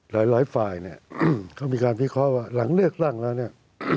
หลายฝ่ายเนี่ยเขามีการวิเคราะห์ว่าหลังเลือกตั้งแล้วเนี่ย